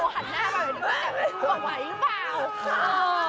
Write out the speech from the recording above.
โบว์หันหน้ามาเหมือนกันว่าไหวหรือเปล่า